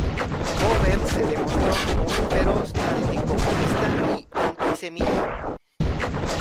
Hoover se demostró como un feroz anticomunista y antisemita.